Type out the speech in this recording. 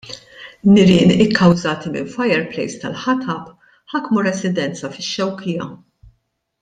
Nirien ikkawżati minn fireplace tal-ħatab ħakmu residenza fix-Xewkija.